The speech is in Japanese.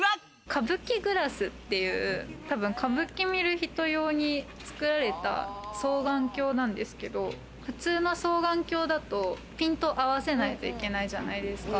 カブキグラスっていう歌舞伎見る人用に作られた双眼鏡なんですけど、普通の双眼鏡だとピント合わせないといけないじゃないですか。